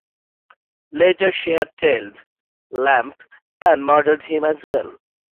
Later she had tailed Lemp and murdered him as well.